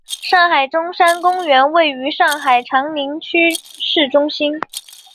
上海中山公园位于上海长宁区市中心。